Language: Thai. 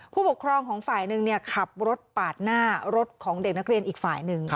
ผู้ปกครองของฝ่ายหนึ่งขับรถปาดหน้ารถของเด็กนักเรียนอีกฝ่ายหนึ่ง